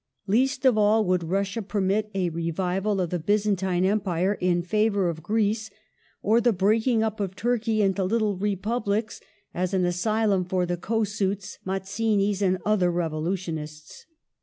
Least of all would Russia permit a revival of the Byzantine Empire in favour of Greece, or the "breaking up of Turkey into little Republics, as an asylum for the Kossuths, Mazzinis, and other revolutionists